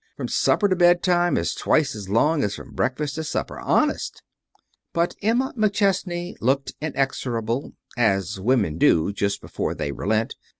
From supper to bedtime is twice as long as from breakfast to supper. Honest!" But Emma McChesney looked inexorable, as women do just before they relent.